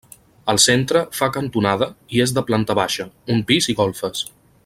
El centre fa cantonada i és de planta baixa, un pis i golfes.